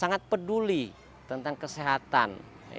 sangat peduli tentang kesehatan